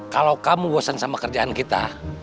kalau kamu bosen sama kerjaan kita